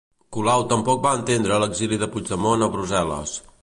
Colau tampoc va entendre l'exili de Puigdemont a Brussel·les.